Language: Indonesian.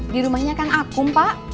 di rumahnya kan akum pak